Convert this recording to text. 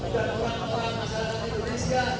dan orang orang masyarakat indonesia